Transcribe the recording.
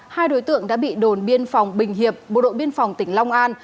hai đối tượng đã bị đồn biên phòng bình hiệp bộ đội biên phòng tỉnh long an